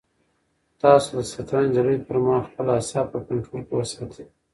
تاسو د شطرنج د لوبې پر مهال خپل اعصاب په کنټرول کې وساتئ.